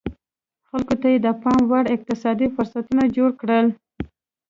خلکو ته یې د پام وړ اقتصادي فرصتونه جوړ کړل